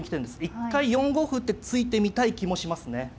一回４五歩って突いてみたい気もしますね。